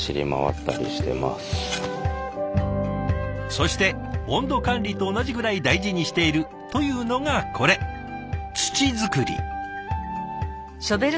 そして温度管理と同じぐらい大事にしているというのがこれ土作り。